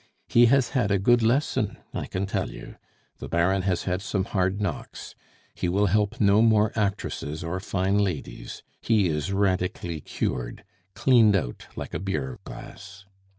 He has had a good lesson, I can tell you! The Baron has had some hard knocks; he will help no more actresses or fine ladies; he is radically cured; cleaned out like a beer glass.